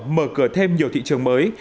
mở cửa thêm nhiều thị trường mới